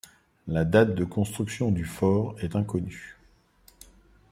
La date de la construction du fort est inconnue.